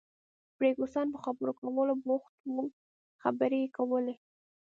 فرګوسن په خبرو کولو بوخته وه، خبرې یې کولې.